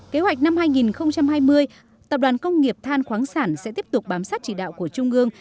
kế hoạch năm hai nghìn hai mươi tập đoàn công nghiệp than khoáng sản sẽ tiếp tục bám sát chỉ đạo của trung ương